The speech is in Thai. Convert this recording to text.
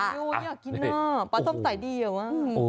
โอ้ยอยากกินน่ะประสบใจดีอ่ะว่ะ